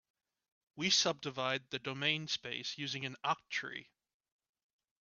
We subdivide the domain space using an octree.